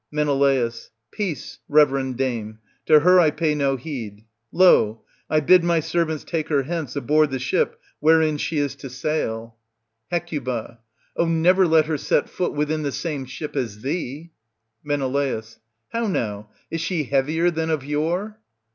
Men. Peace, reverend dame; to her I pay no heed. Lol I bid my servants take her hence, aboard the ship, wherein she is to sail. Digitized by Google THE TROJAN WOMEN. 255 Hec. Oh never let her set foot within the same ship as thee. Men. How now? is she heavier than of yore?